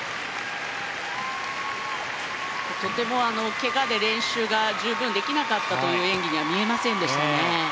とても怪我で練習が十分できなかった演技には見えませんでしたね。